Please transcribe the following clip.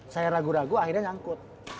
saya ragu ragu akhirnya nyangkut